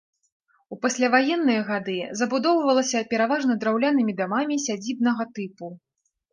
У пасляваенныя гады забудоўвалася пераважна драўляныя дамамі сядзібнага тыпу.